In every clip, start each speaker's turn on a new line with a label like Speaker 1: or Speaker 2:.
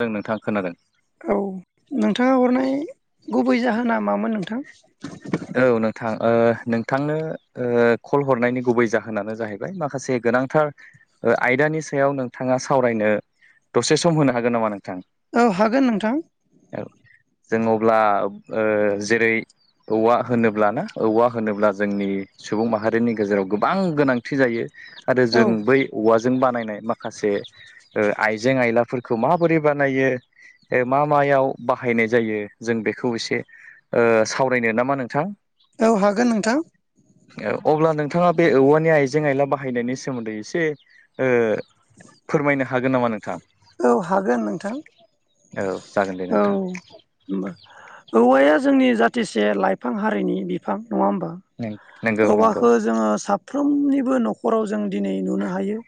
Speaker 1: ओं नोंथां खोनादों।
Speaker 2: औ नोंथाङा हरनाय गुबै जाहोना मामोन नों
Speaker 1: औ नों थां ओ नोंथांनो ओ कल हरनायनि गुबै जाहोनानो जाहैबाय माखासे गोनांथार ओ आयदानि सायाव नोंथाङा सावरायनो दसे सम होनो हागोन नामा नों
Speaker 2: औ हागोन नोंथां।
Speaker 1: औ जों अब्ला ओ जेरै औवा होनोब्लाना औवा होनोब्ला जोंनि सुबुं माहारिनि गेजेराव गोबां गोनांथि जायो। आरो
Speaker 2: औ
Speaker 1: जों बै औवा जों बानायनाय माखासे ओ आइजें आइलाफोरखौ माबोरै बानायो। ओ मा मायाव बाहायनाय जायो जों बेखौ एसे ओ सावरायनो नामा नोंथां
Speaker 2: औ हागोन नोंथां
Speaker 1: औ अब्ला नों नोंथाङा बे औवानि आइजें आइला बाहायनायनि सोमोन्दै एसे फोरमायनो हागोन नामा नोंथां
Speaker 2: औ हागोन नोंथां
Speaker 1: औ जागोन दे
Speaker 2: औ
Speaker 1: नोंथां
Speaker 2: होनबा औवाया जोंनि जाथिसे लाइफां हारिनि बिफां नङा होमबा
Speaker 1: नोंगौ नोंगौ नोंगौ
Speaker 2: औवाखौ जोङो सा फ्रोमनिबो न'खराव जों दिनै नुनो हायो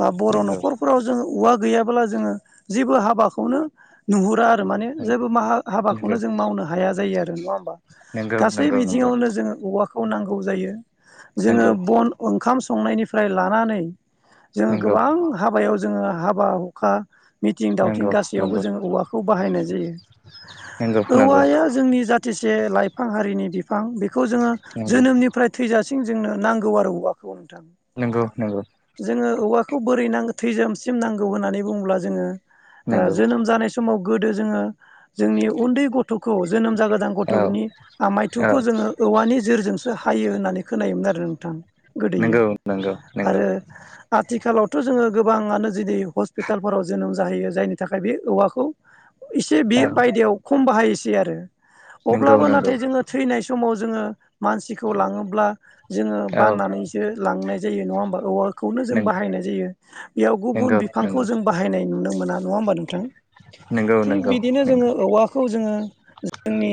Speaker 2: दा बर' न'खरफ्राव जोङो औवा गैयाब्ला जोङो जेबो हाबाखौनो नुहुरा आरो माने जेबो मा हाबाखौनो
Speaker 1: नोंगौ
Speaker 2: जों मावनो हाया जायो आरो नङा होमबा
Speaker 1: नोंगौ नोंगौ
Speaker 2: गासै
Speaker 1: नोंगौ
Speaker 2: बिथिङाव जोङो औवा खौ नांगौ जायो जोङो
Speaker 1: नोंगौ
Speaker 2: बन ओंखाम संनायनिफ्राय लानानै जोङो
Speaker 1: नोंगौ
Speaker 2: गोबां हाबायाव जोङो हाबा हुखा मिथिं दावथिं
Speaker 1: नोंगौ नोंगौ
Speaker 2: गासैयावबो जोङो औवाखौ बाहायनाय जायो।
Speaker 1: नोंगौ
Speaker 2: औवाया जोंनि जाथिसे लाइफां हारिनि बिफां बेखौ जोङो जोनोमनिफ्राय थैजासिम जोंनो नांगौ आरो औवाखौ नोंथां,
Speaker 1: नंगौ नंगौ
Speaker 2: जोङो औवाखौ बोरै नांगौ थैजोमसिम नांगौ होननानै बुङोब्ला जोङो
Speaker 1: नोंगौ
Speaker 2: जोनोम जानाय समाव, गोदो जोङो जोंनि उन्दै गथ'खौ जोनोम जागोदान
Speaker 1: औ
Speaker 2: गथ'नि
Speaker 1: औ
Speaker 2: आमायथुखौ जोङो औवानि जोरजों हायो होननानै खोनायोमोन आरो नोंथां गोदोयो
Speaker 1: नोंगौ नोंगौ नोंगौ
Speaker 2: आरो आथिखालाव थ' जोङो गोबाङानो जुदि हस्पिटालफोराव जोनोम जाहैयो जायनि थाखाय बे औवाखौ, एसे बे
Speaker 1: औ
Speaker 2: बायदायाव खम बाहायसै आरो
Speaker 1: नोंगौ
Speaker 2: अब्लाबो
Speaker 1: नोंगौ
Speaker 2: नाथाय जोङो थैनाय समाव, जोङो मानसिखौ लाङोब्ला जोङो
Speaker 1: औ
Speaker 2: बाननानैसो लांनाय जायो नङा होमबा औवाखौनो जों
Speaker 1: नोंगौ
Speaker 2: बाहायनाय, जायो बेयाव गुबुन
Speaker 1: नोंगौ नोंगौ
Speaker 2: बिफांखौ जों बाहायनाय नुनो मोना नङा होमबा नोंथां,
Speaker 1: नोंगौ नोंगौ
Speaker 2: थिग
Speaker 1: नोंगौ
Speaker 2: बिदिनो जोङो औवाखौ जोङो, जोंनि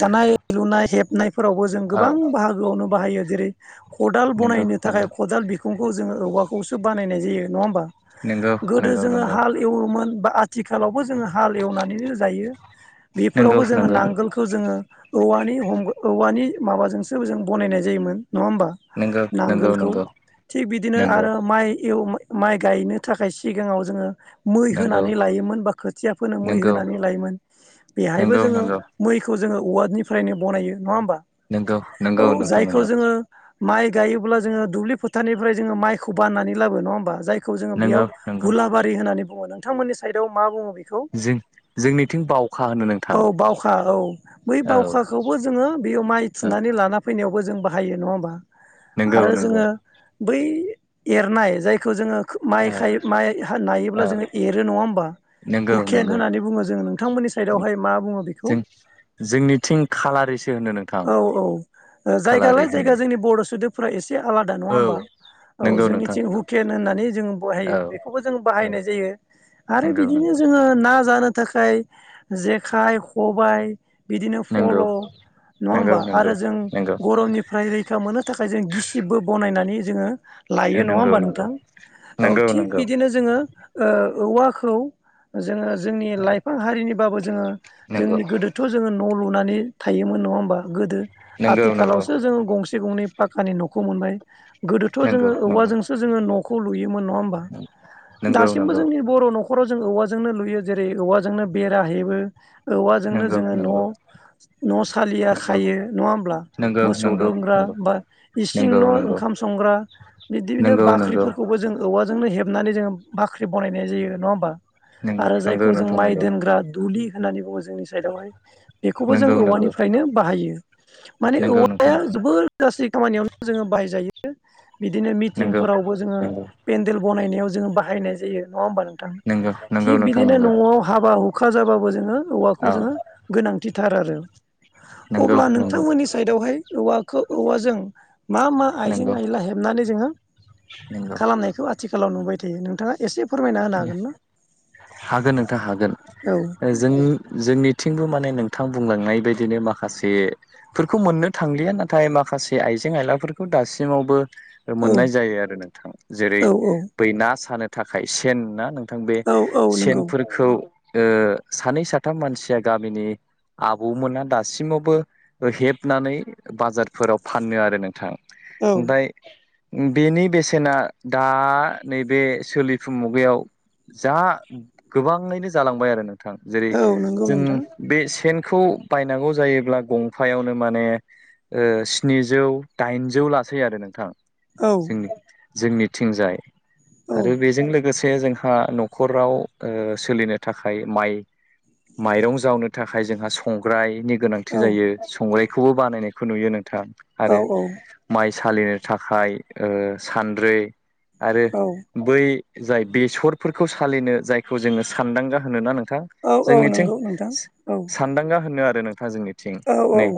Speaker 2: दानाय लुनाय हेब नायफोरावबो जों
Speaker 1: औ
Speaker 2: गोबां बाहागोआवनो बाहायो जेरै खदाल बनायनो
Speaker 1: नोंगौ नोंगौ
Speaker 2: थाखाय खदाल बिखुंखौ जोङो औवाखौसो बानायनाय जायो नङा होमबा
Speaker 1: नोंगौ
Speaker 2: गोदो जोङो
Speaker 1: नोंगौ
Speaker 2: हाल एवोमोन बा आथिखालावबो जोङो हाल एवनानैनो जायो। बेफोरावबो जोङो नांगोलखौ जोङो। औवानि औवानि माबाजोंसो जों बानायनाय जायोमोन नङा होमबा
Speaker 1: नोंगौ नोंगौ
Speaker 2: नांगोलखौ
Speaker 1: नोंगौ
Speaker 2: थिग बिदिनो
Speaker 1: नंगौ
Speaker 2: आरो माइ एव माइ गायनो थाखाय सिगाङाव जोङो। मै
Speaker 1: नंगौ
Speaker 2: होनानै लायोमोन बा खोथियाफोरनो मै
Speaker 1: नंगौ
Speaker 2: होनानै लायोमोन बेहायबो
Speaker 1: नंगौ
Speaker 2: जोङो
Speaker 1: नंगौ
Speaker 2: मैखौ, जोङो वार्डनिफ्रायनो बनायो नङा होमबा
Speaker 1: नंगौ नंगौ
Speaker 2: औ
Speaker 1: नोंथां
Speaker 2: जायखौ
Speaker 1: नंगौ
Speaker 2: जोङो, माइ गायोब्ला जोङो दुब्लि फोथारनिफ्राय जोङो माइखौ बाननानै लाबो नङा होमबा जाय, जोङो
Speaker 1: नंगौ
Speaker 2: बेयाव
Speaker 1: नंगौ
Speaker 2: हुलाबारि होननानै बुङो नोंथांमोननि साइडआव मा बुङो। बिखौ
Speaker 1: जों जोंनिथिं बावखा होनो नोंथां
Speaker 2: औ बावखा औ बै
Speaker 1: औ
Speaker 2: बावखाखौबो जोङो बे याव माइ
Speaker 1: औ
Speaker 2: थुनानै लाना फैनायावबो जों बाहायो नङा होमबा
Speaker 1: नंगौ
Speaker 2: आरो
Speaker 1: नंगौ
Speaker 2: जोङो। बै एरनाय जायखौ जोङो। माइ
Speaker 1: ओ
Speaker 2: माइ नायोब्ला
Speaker 1: ओ
Speaker 2: जोङो एरो नङा होमबा,
Speaker 1: नंगौ
Speaker 2: हुकेन
Speaker 1: नंगौ
Speaker 2: होननानै बुङो जों नोंथांमोननि साइदआवहाय मा बुङो बेखौ,
Speaker 1: जों जोंनिथिं खालारिसो होनो नोंथां
Speaker 2: औ औ
Speaker 1: खालारि
Speaker 2: जायगालाय
Speaker 1: होनो
Speaker 2: जायगा जोंनि बर' सोदोबफोरा एसे आलादा नङा
Speaker 1: औ
Speaker 2: होमबा औ
Speaker 1: नंगौ नोंथां
Speaker 2: जोंनिथिं
Speaker 1: नंगौ
Speaker 2: हुकेन होननानै जोङो
Speaker 1: औ
Speaker 2: बाहायो बेखौबो जों
Speaker 1: औ
Speaker 2: बाहायनाय जायो। आरो
Speaker 1: नंगौ
Speaker 2: बिदिनो
Speaker 1: नंगौ
Speaker 2: जोङो ना जानो। थाखाय जेखाइ खबायाइ बिदिनो
Speaker 1: नंगौ
Speaker 2: फल', नङा
Speaker 1: नंगौ
Speaker 2: होमबा आरो
Speaker 1: नंगौ
Speaker 2: जों
Speaker 1: नंगौ
Speaker 2: गरमनिफ्राय रैखा मोननो थाखाय जों गिसिबबो बानायनानै जोङो। लायो नङा
Speaker 1: नंगौ नंगौ
Speaker 2: होमबा नोंथां औ
Speaker 1: नंगौ
Speaker 2: थिग
Speaker 1: नंगौ
Speaker 2: बिदिनो जोङो ओ औवाखौ जोङो जोंनि
Speaker 1: औ
Speaker 2: लाइफां हारिनिबाबो जोङो, जोंनि
Speaker 1: नंगौ
Speaker 2: गोदोथ' जोङो न' लुनानै थायोमोन नङा होम बा गोदो
Speaker 1: नंगौ नंगौ
Speaker 2: आथिखालावसो जोंङो गंसे गंनै पाखकानि न'खौ मोनबाय गोदोथ'
Speaker 1: नंगौ नंगौ
Speaker 2: जोङो औवाजोंसो जोङो न'खौ लुयोमोन नङा होमबा
Speaker 1: नंगौ नंगौ
Speaker 2: दासिमबो जोंनि बर' न' न'खराव जों औवाजोंनो लुयो जेरै औवाजोंनो बेरा हेबो औवाजोंनो
Speaker 1: नंगौ
Speaker 2: जोङो
Speaker 1: नंगौ
Speaker 2: न' न' सालिया
Speaker 1: नंगौ
Speaker 2: खायो नङा होमब्ला,
Speaker 1: नंगौ
Speaker 2: मोसौ
Speaker 1: नंगौ
Speaker 2: दोनग्रा
Speaker 1: नंगौ
Speaker 2: बा इसिं
Speaker 1: नंगौ
Speaker 2: न'
Speaker 1: नंगौ
Speaker 2: ओंखाम संग्रा, बिदिनो
Speaker 1: नंगौ नंगौ
Speaker 2: बाख्रिफोरखौबो जों औवाजोंनो हेबनानै जोङो बाख्रि बनायनाय जायो नङा होमबा आरो जायखौ
Speaker 1: नंगौ
Speaker 2: जों
Speaker 1: नोंथां
Speaker 2: माइ
Speaker 1: नंगौ
Speaker 2: दोनग्रा दुलि, होननानै बुङो जोंनि साइडआवहाय बेखौबो जों
Speaker 1: नंगौ नंगौ
Speaker 2: औवानिफ्रायनो बाहायो । माने
Speaker 1: नंगौ नोंथां
Speaker 2: औवाया जोबोर गास्रि खामानियावनो जोङो बाहायजायो। बिदिनो
Speaker 1: नंगौ नंगौ
Speaker 2: मिटिंफोरावबो जोङो
Speaker 1: नंगौ
Speaker 2: पेन्देल बनायनायाव जोङो बाहायनाय जायो नङा होमबा नों,
Speaker 1: नंगौ
Speaker 2: नोंथां
Speaker 1: नंगौ
Speaker 2: थिग
Speaker 1: नोंथां
Speaker 2: बिदिनो
Speaker 1: नंगौ
Speaker 2: न'आव हाबा हु हुखा जाबाबो जोङो
Speaker 1: औ
Speaker 2: औवाखौ जोङो गोनांथिथार आरो
Speaker 1: नंगौ
Speaker 2: अब्ला
Speaker 1: नंगौ
Speaker 2: नोंथांमोननि साइदआवहाय औवाखौ औवाजों मा मा आइजें
Speaker 1: नंगौ
Speaker 2: आयला हेबनानै जोङो
Speaker 1: नंगौ
Speaker 2: खालामनायखौ आथिखालाव नुबाय थायो नोंथाङा एसे फोरमायना होनो हागोन ना?
Speaker 1: हागोन नोंथां हागोन।
Speaker 2: औ
Speaker 1: जों-जोंनि थिंबो माने नोंथां बुंलांनाय बायदिनो माखासेफोरखौ मोननो थांलिया नाथाय माखासे आय आइजें आइलाफोरखौ दासिमावबो
Speaker 2: औ
Speaker 1: मोननाय जायो आरो नोंथां। जेरै
Speaker 2: औ
Speaker 1: बै ना सानो थाखाय सेन ना नों थां। बे
Speaker 2: औ औ नंगौ
Speaker 1: सेनफोरखौ ओ सानै साथाम मानसिया गामिनि आबौमोना दासिमावबो हेबनानै बाजारफोराव फानो आरो नोंथां।
Speaker 2: औ
Speaker 1: ओमफाय बेनि बेसेना दा नैबे सोलि फु मुगायाव जा गोबाङैनो जालांबाय आरो नों थां। जेरै
Speaker 2: औ नंगौ
Speaker 1: जों
Speaker 2: नोंथां
Speaker 1: बे सेन खौ बायनांगौ जायोब्ला गंफायावनो माने ओ स्निजौ दाइनजौ लासै आरो नोंथां।
Speaker 2: औ
Speaker 1: जोंनि-जोंनिथिंजाय
Speaker 2: औ
Speaker 1: आरो बेजों लोगोसे जोंहा न'खराव ओ सोलिनो थाखाय माइ माइरं जावनो थाखाय जोंहा संग्रायनि गोनांथि
Speaker 2: औ
Speaker 1: जायो। संग्रायखौबो बानायनायखौ नुयो नोंथां। आरो माइ सालिनो थाखाय ओ सान्द्रै आरो
Speaker 2: औ
Speaker 1: बै जाय बेसरफोरखौ सालिनो जायखौ जोङो सानदांगा होनोनां नों थां?
Speaker 2: औ औ
Speaker 1: जोंनिथिं
Speaker 2: नंगौ नोंथां औ
Speaker 1: स-सानदांगा होनो आ रो नोंथां जोंनिथिं
Speaker 2: औ
Speaker 1: नै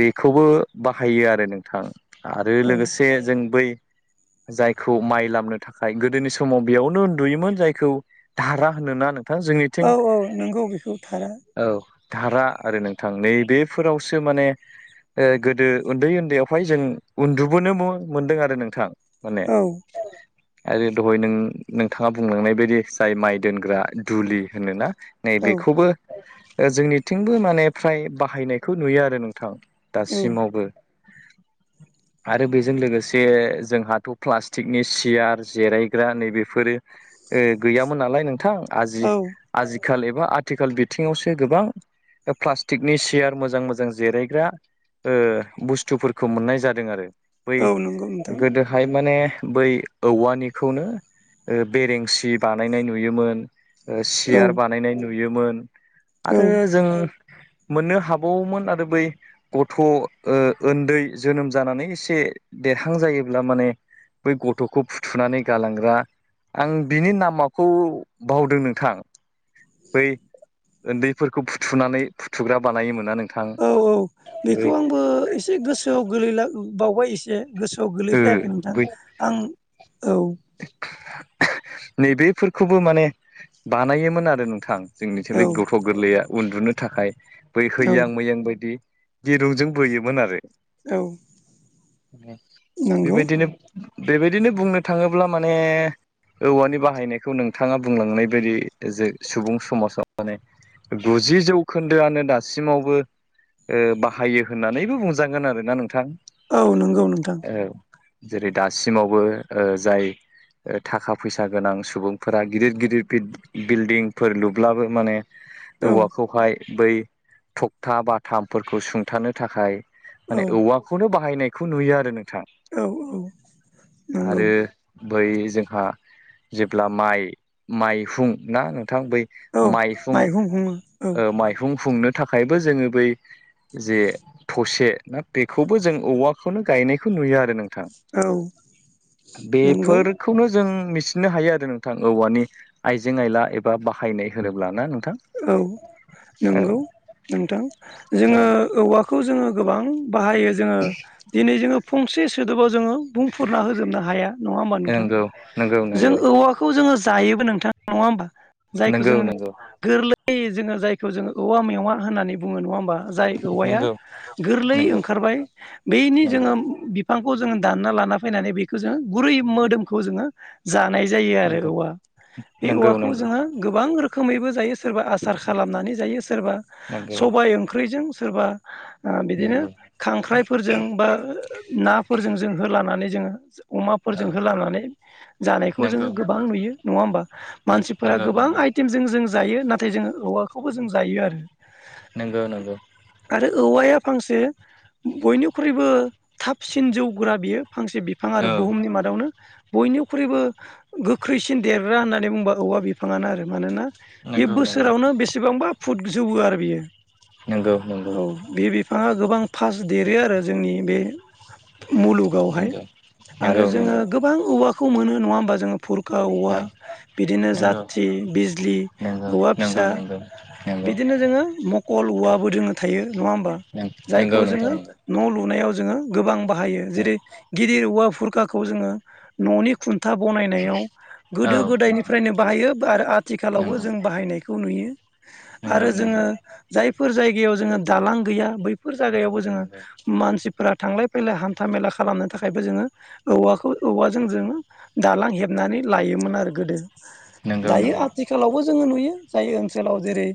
Speaker 1: बेखौबो बाहायो आरो नोंथां । आरो
Speaker 2: औ
Speaker 1: लोगोसे जों बै जायखौ माइ लामनो था खाय गोदोनि समाव बेयावनो उन्दुयोमोन जायखौ धारा होनोना नों थां, जोंनिथिं
Speaker 2: औ औ नंगौ बेखौ थारा
Speaker 1: औ धारा आरो नोंथां नै बेफोरावसो माने ओ गोदो उन्दै उन्दैयावहाय जों उन्दुबोनो मोनदों आरो नोंथां। माने।
Speaker 2: औ
Speaker 1: आरो दहाय नों नोंथाङा बुंलांनाय बायदि जाय माइ दोनग्रा दुलि होनोना? नै
Speaker 2: औ
Speaker 1: बेखौबो जोंनिथिंबो माने फ्राय बाहायनायखौ नुयो आरो नोंथां
Speaker 2: औ
Speaker 1: दासिमावबो। आरो बेजों लोगोसे जोंहाथ' प्लास्टिकनि सियार जिरायग्रा नैबेफोरो गैयामोन नालाय नोंथां आजि
Speaker 2: औ
Speaker 1: आजि खालि बा आथिखाल एबा आथिखाल बिथिङावसो गोबां प्लास्टिकनि सियार मोजां मोजां जेरायग्रा ओ बुस्थुफोरखौ मोननाय जादों आरो बै
Speaker 2: औ नंगौ नोंथां
Speaker 1: गोदोहाय माने बै औवानिखौनो ओ बेरेंसि बानायनाय नुयोमोन, ओ
Speaker 2: औ
Speaker 1: सियार बानायनाय नुयोमोन
Speaker 2: औ
Speaker 1: आरो जों मोननो हाबावोमोन आरो बै गथ' ओ ओन्दै जोनोम जानानै एसे देरहां जायोब्ला माने बै गथ' खौ फुथुनानै गालांग्रा आं बिनि नामाखौ बावदों नोंथां। बै ओन्दैफोरखौ फुथुनानै फुथुग्रा बानायोमोन
Speaker 2: औ औ बेखौ आंबो एसे गोसोआव गोलैला बावबाय एसे। गोसोआव
Speaker 1: ओ
Speaker 2: गोलैफैयाखै नोंथां
Speaker 1: बै
Speaker 2: आं औ।
Speaker 1: नैबेफोरखौबो माने बानायोमोन आरो नोंथां। जोंनिथिं
Speaker 2: औ
Speaker 1: बे गथ' गोरलैया उन्दुनो थाखाय बै
Speaker 2: औ
Speaker 1: हैयां मैयां बायदि दिरुंजों बोयोमोन आरो।
Speaker 2: औ। नंगौ
Speaker 1: बेबायदिनो बेबायदिनो बुंनो थाङोब्ला माने औवानि बाहायनायखौ नोंथाङा बुंलांनाय बायदि जे सुबुं समाजाव माने गुजि जौखोन्दोआनो दासिमावबो ओ- बाहायो होननानैबो बुंजागोन आरोना नोंथां।
Speaker 2: औ- नंगौ नोंथां।
Speaker 1: औ जेरै दासिमावबो ओ- जाय ओ- थाखा फैसा गोनां सुबुंफोरा गिदिर गिदिर बिल्डिंफोर लुब्लाबो माने
Speaker 2: औ
Speaker 1: औवाखौहाय बै थखथा बाथामफोरखौ सुंथानो थाखाय
Speaker 2: औ
Speaker 1: माने औवाखौनो बाहायनायखौ नुयो आरो नों
Speaker 2: औ- औ- नंगौ
Speaker 1: आरो बै जोंहा जेब्ला माइ- माइहुं ना- बै
Speaker 2: औ
Speaker 1: मायफुं
Speaker 2: माइहुं हुङो औ
Speaker 1: ओ- मायफुं खुंनो थाखायबो जोङो बै जे थसे ना बेखौबो जों औवाखौनो गायनायखौ नुयो आरो नोंथां।
Speaker 2: औ- नंगौ
Speaker 1: बेफोरखौनो जों मिथिनो हायो आरो नोंथां औवानि आइजें आइला एबा बाहायनाय होनोब्ला ना- नोंथां
Speaker 2: औ-
Speaker 1: औ
Speaker 2: नंगौ नोंथां
Speaker 1: औ
Speaker 2: जोङो औवाखौ जोङो गोबां बाहायो जोङो दिनै जोङो फंसे सोदोबाव जोङो बुंफुरना होजोबनो हाया नङा होमबा नोंथां
Speaker 1: नंगौ नंगौ
Speaker 2: जों
Speaker 1: नंगौ
Speaker 2: औवाखौ जोङो जायोबो नोंथांनङा होमबा जायखौ
Speaker 1: नंगौ-
Speaker 2: जोङो
Speaker 1: नंगौ
Speaker 2: गोरलै जोङो जायखौ जोङो औवा मेङा होननानै बुङो नङा होमबा जाय औवाया
Speaker 1: नंगौ
Speaker 2: गोरलैयै
Speaker 1: नंगौ
Speaker 2: ओंखारबाय बेनि
Speaker 1: नंगौ
Speaker 2: जोङो बिफांखौ जोङो दानना लाना फैनानै बेखौ जोङो गुरै मोदोमखौ जोङो जानाय जायो आरो
Speaker 1: नंगौ
Speaker 2: औवा बे
Speaker 1: नंगौ
Speaker 2: औवाखौ
Speaker 1: नंगौ
Speaker 2: गोबां रोखोमबैबो जायो सोरबा आसार खालामनानै जायो सोरबा
Speaker 1: नंगौ
Speaker 2: सबाय ओंख्रिजों सोरबा ओ- बिदिनो
Speaker 1: नंगौ
Speaker 2: खांख्राइफोरजों बा- नाफोरजों जों होलानानै जोङो
Speaker 1: औ
Speaker 2: अमाफोरजों होलानानै जानायखौ
Speaker 1: नंगौ
Speaker 2: जोङो गोबां
Speaker 1: नंगौ
Speaker 2: नुयो नङा होमबा मानसिफोरा
Speaker 1: नंगौ
Speaker 2: गोबां आय- आइटेमजों जों जायो नाथाय जों औवाखौबो जों जायो आरो
Speaker 1: नोंगौ- नोंगौ
Speaker 2: आरो औवाया फांसे बयनिख्रुइबो थाबसिन जौग्रा बियो फांसे बिफां आरो
Speaker 1: औ
Speaker 2: बुहुमनि मादावनो बयनिख्रुइबो गोख्रैसिन देरग्रा होननानै बुंबा औवा बिफाङानो आरो मानोना
Speaker 1: [unintelligible]
Speaker 2: बे
Speaker 1: [inaudible]
Speaker 2: बोसोरावनो बेसेबांबा फुट जौवबो आरो बियो
Speaker 1: नंगौ नंगौ
Speaker 2: औ- बे बिफाङा गोबां फास्ट देरो आरो जोंनि बे मुलुगावहाय आरो
Speaker 1: नंगौ नंगौ
Speaker 2: जोङो गोबां औवाखौ मोनो नङा होमबा जोङो फुर-
Speaker 1: औ
Speaker 2: गा- बिदिनो
Speaker 1: नंगौ
Speaker 2: जाथि बिजलि औवा
Speaker 1: नंगौ नंगौ
Speaker 2: फिसा
Speaker 1: नंगौ नंगौ
Speaker 2: बिदिनो जोङो कल औवाबो जोङो थायो नङा होमबा
Speaker 1: नंगौ
Speaker 2: जायखौ
Speaker 1: नोंथां
Speaker 2: जोङो
Speaker 1: नंगौ
Speaker 2: न' लुनायाव जोङो गोबां बाहायो
Speaker 1: औ
Speaker 2: जेरै गिदिर औवा खुरखाखौ जोङो न'नि ख खथा बनायनायाव
Speaker 1: औ
Speaker 2: गोदो
Speaker 1: नोंथां
Speaker 2: गोदायनिफ्रायनो बाहायो आरो आथिखालावबो जों न
Speaker 1: नंगौ
Speaker 2: जोो जायफोर जाय ज दालां गैया बै बेफोर जायगायावबो जोङो
Speaker 1: नंगौ नंगौ
Speaker 2: मानसिफोरा थांलाय फैलाय हान्था मेला खालामनो थाखायबो जोङो औवाखौ औवाजों जोङो दालां हेबनानै लायोमोन आरो गोदो
Speaker 1: नंगौ नंगौ
Speaker 2: दायो आथिखालावबो जोङो नुयो जाय ओनसोलाव जेरै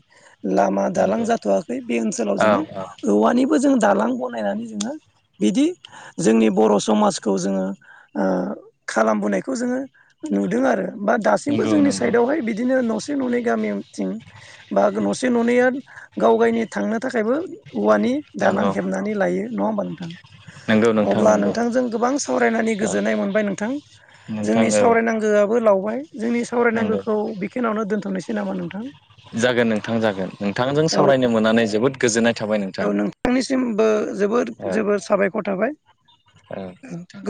Speaker 2: लामा दालां
Speaker 1: नंगौ
Speaker 2: जाथ'वाखै बे ओनसोलाव
Speaker 1: औ
Speaker 2: जोङो
Speaker 1: औ
Speaker 2: औवानिबो जोङ दालां बनायनानै जोङो। बिदि जोंनि बर' समाजखौ जोङो खालामबोनायखौ जोङो। नुदों आरो बा दासिमबो
Speaker 1: नंगौ
Speaker 2: जोंनि
Speaker 1: नंगौ
Speaker 2: साइदावहाय बिदिनो न' नै गामिथिं बा न'से न'नैया गाव गायनि थांनो थाखायबो औवानि दालां
Speaker 1: नंगौ
Speaker 2: हेबनानै लायो नङा होमबा नोंथां।
Speaker 1: नंगौ नोंथां
Speaker 2: अब्ला
Speaker 1: नंगौ
Speaker 2: नोंथांजों गोबां सावरायनानै
Speaker 1: औ
Speaker 2: गोजोननाय मोनबाय नोंथां।
Speaker 1: नोंथां
Speaker 2: जोंनि
Speaker 1: औ
Speaker 2: सावरायनांगोआबो लावबाय जोंनि
Speaker 1: नंगौ
Speaker 2: सावरायनांगौखौ बिखनावनो दोनथ'नोसै नामा नोंथां
Speaker 1: जागोन नोंथां जागोन नोंथांजों
Speaker 2: औ
Speaker 1: सावरायनो मोननानै जोबोद गोजोननाय थाबाय नोंथां
Speaker 2: सिमबो जोबोर
Speaker 1: औ
Speaker 2: जोबोर साबायखर थाबाय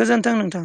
Speaker 2: गोजोन्थों नोंथां